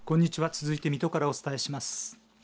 続いて水戸からお伝えします。